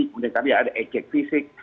kemudian kami ada e check fisik